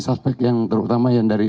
suspek yang terutama yang dari